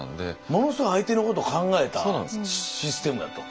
ものすごい相手のこと考えたシステムやと。